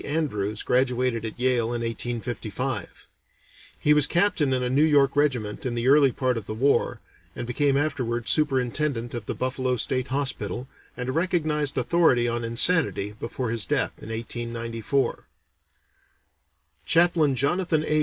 Andrews graduated at Yale in 1855. He was captain in a New York regiment in the early part of the war, and became afterward superintendent of the Buffalo State Hospital, and a recognized authority on insanity before his death in 1894. Chaplain Jonathan A.